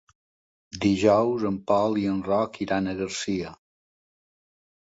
Dijous en Pol i en Roc iran a Garcia.